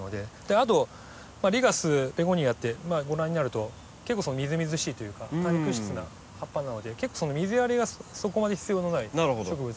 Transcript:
あとリーガースベゴニアってご覧になると結構みずみずしいというか多肉質な葉っぱなので結構水やりがそこまで必要のない植物。